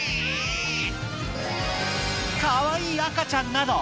かわいい赤ちゃんなど。